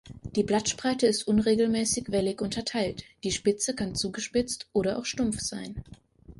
Die Blattspreite ist unregelmäßig wellig unterteilt, die Spitze kann zugespitzt oder auch stumpf sein.